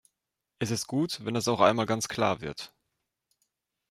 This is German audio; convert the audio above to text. Es ist gut, wenn das auch einmal ganz klar wird.